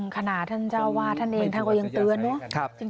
ขณะท่านเจ้าวาดท่านเองท่านก็ยังเตือนเนอะ